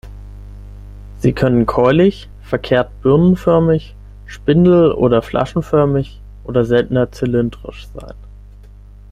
Sie können keulig, verkehrt birnenförmig, spindel- oder flaschenförmig oder seltener zylindrisch sein.